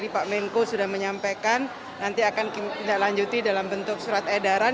pak menko sudah menyampaikan nanti akan kita lanjuti dalam bentuk surat edaran